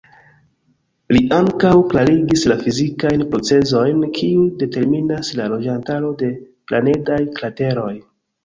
Li ankaŭ klarigis la fizikajn procezojn, kiu determinas la loĝantaro de planedaj krateroj.